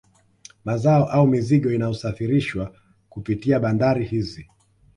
Mazao au mizigo inayosafirishwa kupitia bandari hizi